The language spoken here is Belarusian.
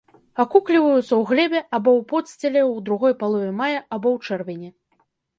Акукліваюцца ў глебе або ў подсціле ў другой палове мая або ў чэрвені.